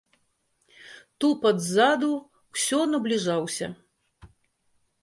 Тупат ззаду ўсё набліжаўся.